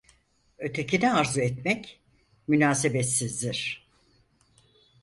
Ötekini arzu etmek münasebetsizdir.